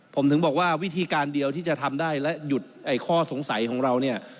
ผมถึงบอกว่าวิธีการเดียวที่จะทำได้และหยุดไอ้ข้อสงสัยของเราเนี่ย